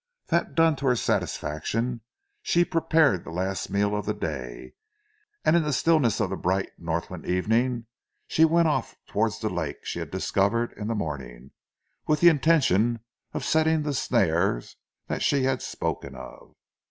That done to her satisfaction, she prepared the last meal of the day and then in the stillness of the bright Northland evening, she went off towards the lake she had discovered in the morning, with the intention of setting the snare that she had spoken of.